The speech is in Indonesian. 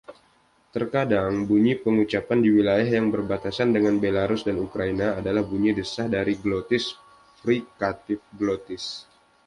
Terkadang, bunyi pengucapan di wilayah yang berbatasan dengan Belarus dan Ukraina adalah bunyi desah dari glotis (frikatif glotis).